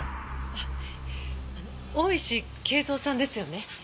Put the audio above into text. あの大石恵三さんですよね？